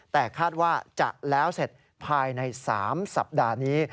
แต่คาดว่าจะแล้วเสร็จภายใน๓สัปดาห์นี้